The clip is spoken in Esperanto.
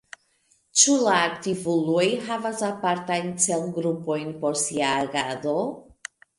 Ĉu la aktivuloj havas apartajn celgrupojn por sia agado?